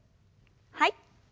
はい。